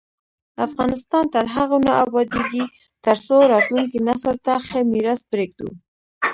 افغانستان تر هغو نه ابادیږي، ترڅو راتلونکي نسل ته ښه میراث پریږدو.